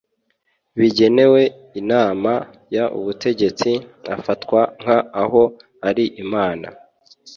Bigenewe inama y ubutegetsi afatwa nk aho ari imana